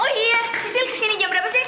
oh iya sisteel kesini jam berapa sih